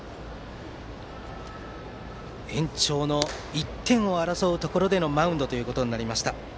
延長の１点を争うところでのマウンドとなりました。